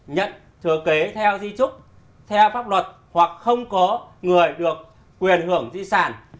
nhận thừa kế theo di trúc theo pháp luật hoặc không có người được quyền hưởng di sản